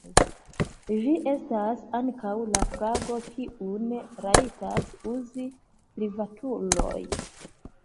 Ĝi estas ankaŭ la flago kiun rajtas uzi privatuloj.